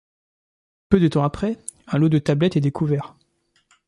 Peu de temps après, un lot de tablettes est découvert.